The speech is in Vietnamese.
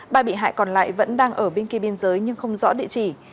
ba bị hại còn lại vẫn đang ở bên kia biên giới nhưng không rõ địa chỉ